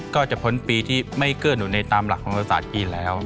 ก็จะพ้นปีที่ไม่เกื้อหนุนในตามหลักของรัฐศาสตร์จีนแล้ว